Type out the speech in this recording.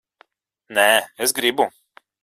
Nē, es gribu.